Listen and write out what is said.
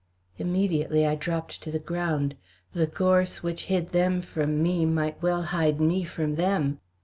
Immediately I dropped to the ground. The gorse which hid them from me might well hide me from them.